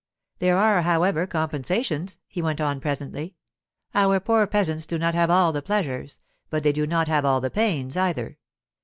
'There are, however, compensations,' he went on presently. 'Our poor peasants do not have all the pleasures, but they do not have all the pains, either.